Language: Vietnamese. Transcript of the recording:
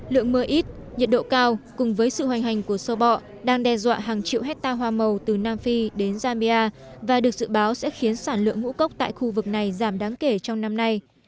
lượng mưa ít nhiệt độ cao cùng với sự hoành hành của sơ bọ đang đe dọa hàng triệu hectare hoa màu từ nam phi đến zambia và được dự báo sẽ khiến sản lượng ngũ cốc tại khu vực này giảm đáng kể trong năm nay